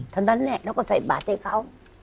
ทั้งนั้นแหละเราก็ใส่บาทให้เขา